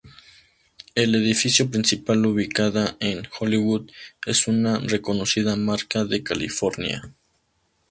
El edificio principal ubicada en Hollywood es una reconocida marca de California.